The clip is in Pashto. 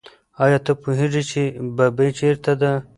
آیا ته پوهېږې چې ببۍ چېرته ده؟